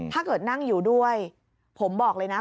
ถ้าเกิดนั่งอยู่ด้วยผมบอกเลยนะ